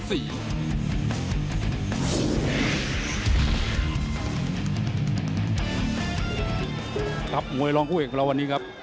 ทรัพย์มวยลองผู้เอกของเราวันนี้ครับ